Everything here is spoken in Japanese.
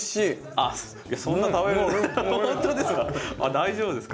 大丈夫ですか？